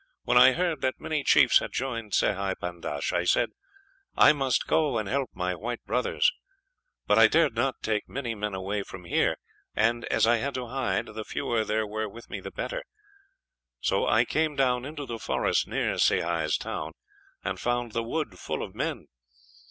"When I heard that many chiefs had joined Sehi Pandash, I said 'I must go and help my white brothers,' but I dared not take many men away from here, and as I had to hide, the fewer there were with me the better; so I came down into the forest near Sehi's town, and found the wood full of men.